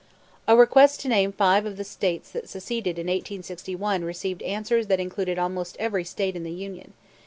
A request to name five of the States that seceded in 1861 received answers that included almost every State in the Union.